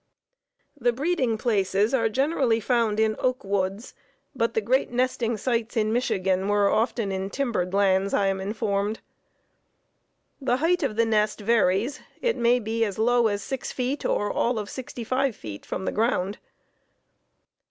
The breeding places are generally found in oak woods, but the great nesting sites in Michigan were often in timbered lands, I am informed. The height of the nest varies. It may be as low as six feet or all of sixty five feet from the ground.